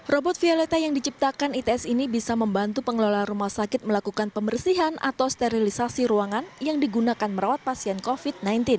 robot vialeta yang diciptakan its ini bisa membantu pengelola rumah sakit melakukan pembersihan atau sterilisasi ruangan yang digunakan merawat pasien covid sembilan belas